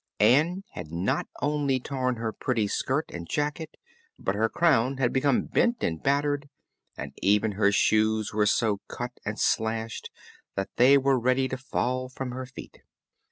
Ann had not only torn her pretty skirt and jacket, but her crown had become bent and battered and even her shoes were so cut and slashed that they were ready to fall from her feet.